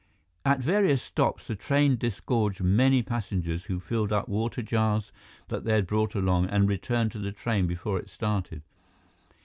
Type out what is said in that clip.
At various stops, the train disgorged many passengers who filled up water jars that they had brought along and returned to the train before it started.